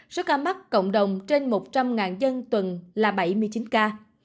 số ca mắc cộng đồng trên một trăm linh dân tuần là bảy mươi chín ca